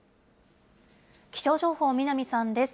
気象情報、南さんです。